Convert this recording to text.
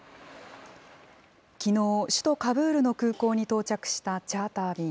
きのう、首都カブールの空港に到着したチャーター便。